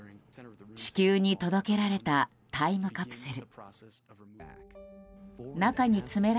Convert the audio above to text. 地球に届けられたタイムカプセル。